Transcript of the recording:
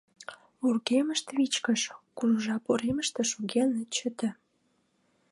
Вургемышт вичкыж, кужу жап уремыште шоген от чыте.